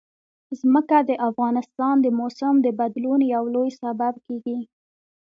ځمکه د افغانستان د موسم د بدلون یو لوی سبب کېږي.